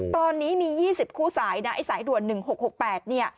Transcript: ตอนนี้มี๒๐คู่สายสายด่วน๑๖๖๘